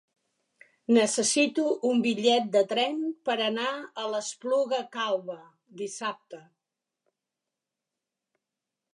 Necessito un bitllet de tren per anar a l'Espluga Calba dissabte.